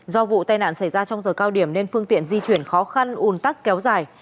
do vụ tai nạn xảy ra trong giờ cao điểm nên phương tiện di chuyển khó khăn un tắc kéo dài